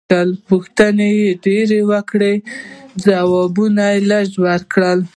پوښتنې ډېرې وکړه ځوابونه لږ ورکړه.